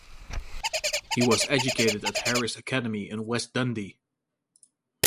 He was educated at Harris Academy in west Dundee.